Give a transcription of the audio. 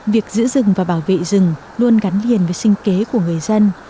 việc giữ rừng và bảo vệ rừng luôn gắn liền với sinh kế của người dân